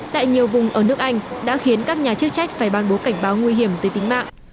tại nhiều vùng ở nước anh đã khiến các nhà chức trách phải ban bố cảnh báo nguy hiểm tới tính mạng